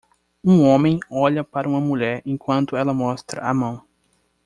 Um homem olha para uma mulher enquanto ela mostra a mão.